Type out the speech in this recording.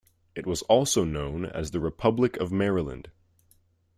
It was also known as the Republic of Maryland.